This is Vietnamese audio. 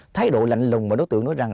thái độ lạnh lùng mà đối tượng nói rằng